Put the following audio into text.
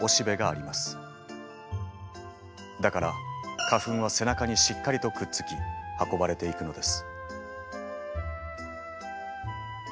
だから花粉は背中にしっかりとくっつき運ばれていくのです。